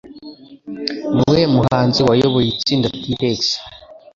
Ni uwuhe muhanzi wayoboye itsinda T-Rex?